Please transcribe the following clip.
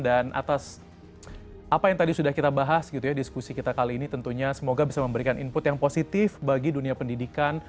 dan atas apa yang tadi sudah kita bahas gitu ya diskusi kita kali ini tentunya semoga bisa memberikan input yang positif bagi dunia pendidikan